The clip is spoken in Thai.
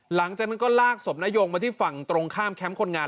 หลังจากนั้นก็ลากศพนายงมาที่ฝั่งตรงข้ามแคมป์คนงาน